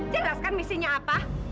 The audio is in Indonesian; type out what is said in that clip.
jelas kan misinya apa